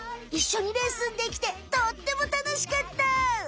いっしょにレッスンできてとってもたのしかった！